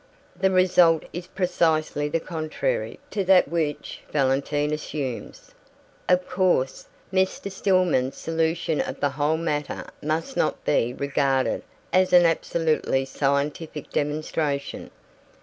The result is precisely the contrary to that which Valentin assumes. Of course, Mr. Stillman's solution of the whole matter must not be regarded as an absolutely scientific demonstration.